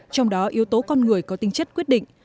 trong đó yếu tố con người có tinh chất quyết định